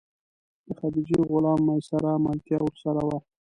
د خدیجې غلام میسره ملتیا ورسره وه.